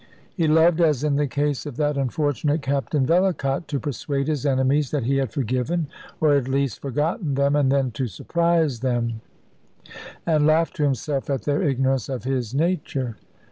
He loved, as in the case of that unfortunate Captain Vellacott, to persuade his enemies that he had forgiven, or at least forgotten them, and then to surprise them, and laugh to himself at their ignorance of his nature.